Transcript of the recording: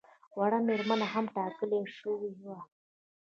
وړ مېرمنه هم ټاکل شوې وه.